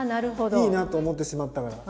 いいなと思ってしまったから。